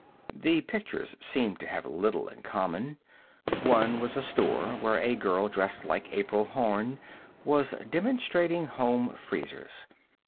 The pictures seemed to have little in common. One was a store, where a girl dressed like April Horn was demonstrating home freezers.